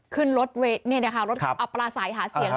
ขึ้นรถเวทรถอัปราสาห์หาเสียง